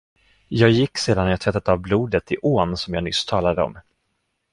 Jag gick sedan jag tvättat av blodet i ån som jag nyss talade om.